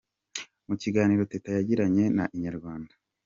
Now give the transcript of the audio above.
Mu kiganiro Teta yagiranye na Inyarwanda.